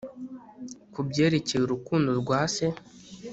kubyerekeye urukundo rwa se.